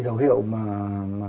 dấu hiệu mà